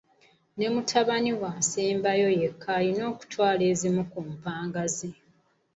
Ne mutabaniwe asembayo yekka ayina okutwala ezimu ku mpanga ze.